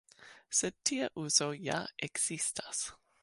Sed tia uzo ja ekzistas.